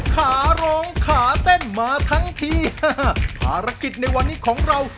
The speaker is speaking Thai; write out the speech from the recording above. ขาร้องขาเต้นมาทั้งทีภารกิจในวันนี้ของเรา